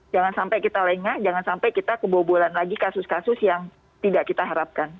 jangan sampai kita lengah jangan sampai kita kebobolan lagi kasus kasus yang tidak kita harapkan